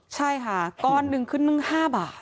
ใช่ค่ะก้อนหนึ่งขึ้นหนึ่ง๕บาท